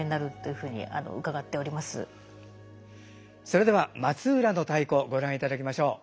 それでは「松浦の太鼓」ご覧いただきましょう。